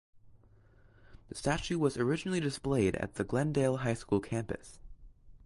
The statue was originally displayed at the Glendale High School campus.